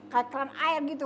kayak keran air gitu